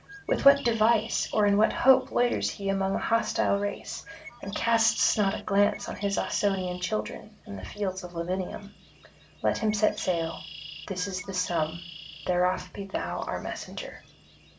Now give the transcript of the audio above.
with what device or in what hope loiters he among a hostile race, and casts not a glance on his Ausonian children and the fields of Lavinium? Let him set sail: this is the sum: thereof be thou our messenger.'